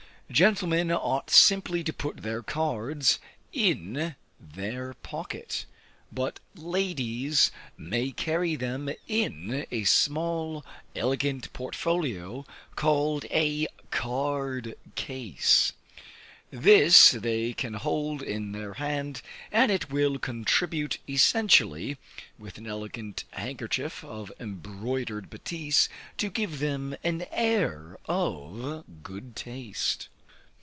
Gentlemen ought simply to put their cards in their pocket, but ladies may carry them in a small elegant portfolio, called a card case. This they can hold in their hand, and it will contribute essentially (with an elegant handkerchief of embroidered battise,) to give them an air of good taste.